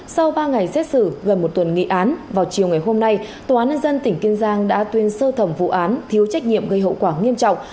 sau ba ngày xét xử gần một tuần nghị án vào chiều ngày hôm nay tòa án nhân dân tỉnh kiên giang đã tuyên sơ thẩm vụ án thiếu trách nhiệm gây hậu quả nghiêm trọng